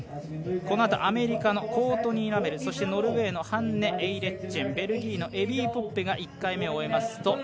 このあとアメリカのコートニー・ラメルそしてノルウェーのハンネ・エイレッチェン、ベルギーのエビー・ポッペが終わりますと